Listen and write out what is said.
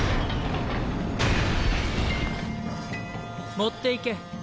持っていけ。